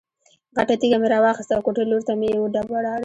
غټه تیږه مې را واخیسته او کوټې لور ته مې یې وډباړه.